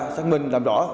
xác minh làm rõ